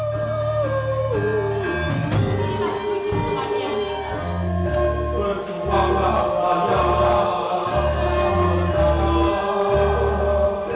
ini juga sebuah tempat yang lebih baik untuk paham masyarakat jawa